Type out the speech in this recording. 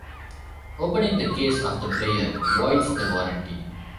Opening the case of the player voids the warranty.